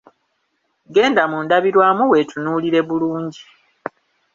Genda mu ndabirwamu weetunuulire bulungi.